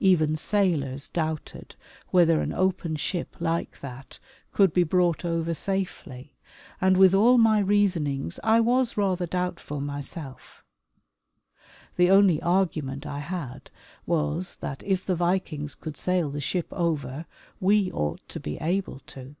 Even sailors doubted whether an open ship like that could be brought over safely, and with all my reasonings I was rather doubtful myself. The only argu ment I had was that if the Vikings could sail the ship over, 136 Magnus Andersen — Nonvay and the Vikings. we ought to be able to.